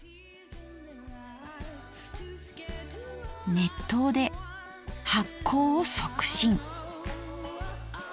熱湯で発酵を促進。